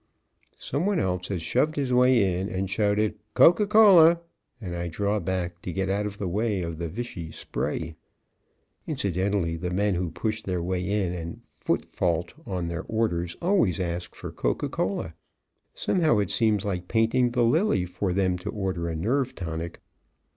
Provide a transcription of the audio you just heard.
Some one else has shoved his way in and shouted, "Coca Cola," and I draw back to get out of the way of the vichy spray. (Incidentally, the men who push their way in and footfault on their orders always ask for "Coca Cola." Somehow it seems like painting the lily for them to order a nerve tonic.)